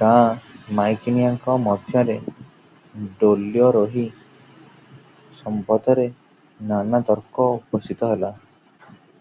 ଗାଁ ମାଈକିନିଆ ମଧ୍ୟରେ ଡୋଲ୍ୟାରୋହୀ ସମ୍ବନ୍ଧରେ ନାନା ତର୍କ ଉପସ୍ଥିତ ହେଲା ।